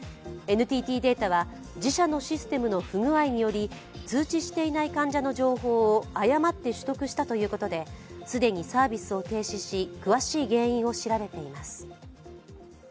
ＮＴＴデータは自社のシステムの不具合により、通知していない患者の情報を誤って取得したということで既にサービスを停止し詳しい原因を調べています。